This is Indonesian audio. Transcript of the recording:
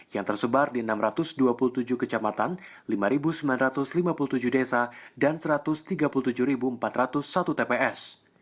yang tersebar di enam ratus dua puluh tujuh kecamatan lima sembilan ratus lima puluh tujuh desa dan satu ratus tiga puluh tujuh empat ratus satu tps